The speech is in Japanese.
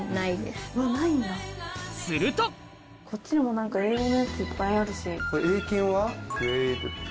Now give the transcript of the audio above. するとこっちにも何か英語のやついっぱいあるし。